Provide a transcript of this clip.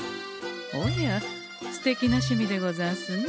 おやすてきな趣味でござんすね。